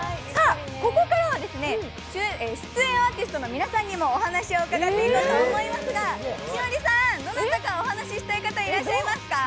ここからは出演アーティストの皆さんにもお話を伺いたいと思いますが、栞里さん、どなたかお話ししたい方はいらっしゃいますか？